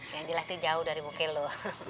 yang di lelaki jauh dari buke lu